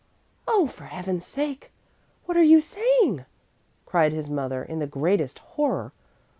"Oh, for Heaven's sake, what are you saying?" cried his mother in the greatest horror.